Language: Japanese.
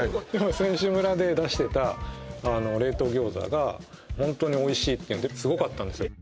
選手村で出してた冷凍餃子がホントにおいしいっていうんですごかったんですよ